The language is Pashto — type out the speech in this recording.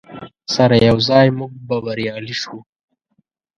سره یوځای موږ به بریالي شو.